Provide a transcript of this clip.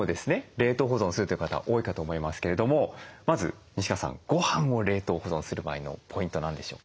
冷凍保存するという方多いかと思いますけれどもまず西川さんごはんを冷凍保存する場合のポイント何でしょう？